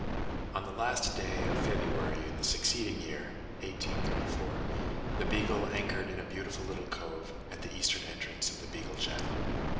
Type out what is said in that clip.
On the last day of February in the succeeding year (1834) the Beagle anchored in a beautiful little cove at the eastern entrance of the Beagle Channel.